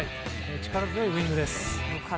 力強いウィングです。